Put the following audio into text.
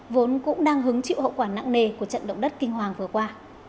vốn cũng đang hứng chịu hậu quả nặng nề của trận động đất kinh hoàng vừa qua